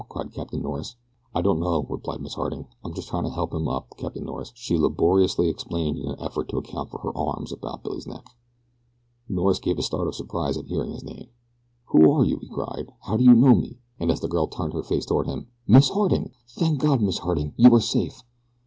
cried Captain Norris. "I don't know," replied Miss Harding; "I'm just trying to help him up, Captain Norris," she laboriously explained in an effort to account for her arms about Billy's neck. Norris gave a start of surprise at hearing his name. "Who are you?" he cried. "How do you know me?" and as the girl turned her face toward him, "Miss Harding! Thank God, Miss Harding, you are safe."